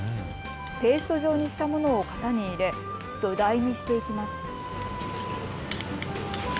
ペースト状にしたものを型に入れ、土台にしていきます。